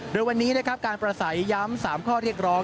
ในวันนี้การประสัยย้ำ๓ข้อเรียกร้อง